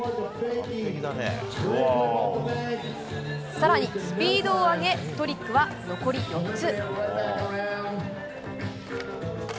さらにスピードを上げ、トリックは残り４つ。